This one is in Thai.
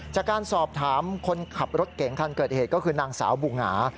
จากการสอบถามคนขับรถเก๋งคันเกิดเหตุก็คือนางสาวบุหงา